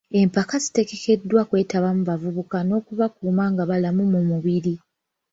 Empaka ziteekeddwa kwetabwamu bavubuka n'okubakuuma nga balamu mu mibiri.